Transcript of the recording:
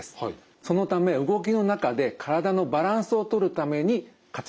そのため動きの中で体のバランスをとるために活躍します。